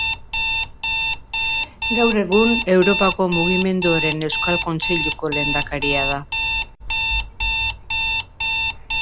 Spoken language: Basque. Gaur egun, Europako Mugimenduaren Euskal Kontseiluko lehendakaria da.